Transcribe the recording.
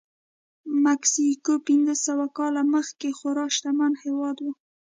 مکسیکو پنځه سوه کاله مخکې خورا شتمن هېواد و.